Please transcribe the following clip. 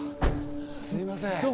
すいません。